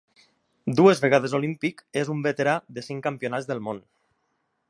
Dues vegades olímpic, és un veterà de cinc campionats del món.